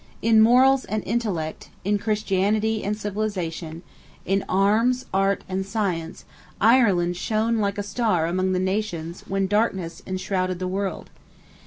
In morals and intellect, in Christianity and civilization, in arms, art, and science, Ireland shone like a star among the nations when darkness enshrouded the world.